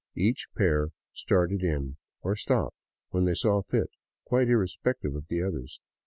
Each pair started in or stopped when they saw fit, quite irrespective of the others.